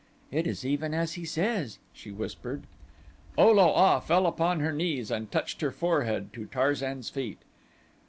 "It is even as he says," she whispered. O lo a fell upon her knees and touched her forehead to Tarzan's feet.